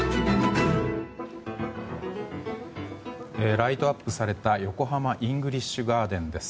ライトアップされた横浜イングリッシュガーデンです。